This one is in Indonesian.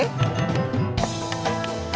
hai pat ia